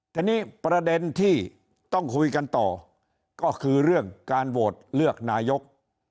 ทีนี้ประเด็นที่ต้องคุยกันต่อก็คือเรื่องการโหวตเลือกนายก